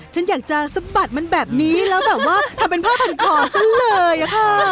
ฉันอยากจะสะบัดมันแบบนี้แล้วแบบว่าทำเป็นผ้าพันคอซะเลยอะค่ะ